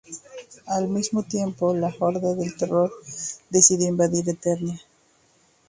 Al mismo tiempo, la Horda del Terror decidió invadir Eternia.